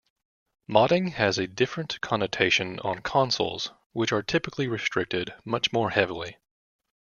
Modding has a different connotation on consoles which are typically restricted much more heavily.